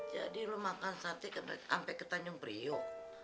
jadi lo makan sate sampai ke tanjung priuk